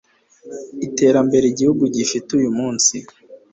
kugukorera ikintu cyose niba udafite intama [sinigeze ngira] nikindi kibazo imbwa irabishaka